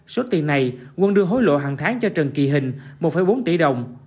số tiền này quân đưa hối lộ hàng tháng cho trần kỳ hình một bốn tỷ đồng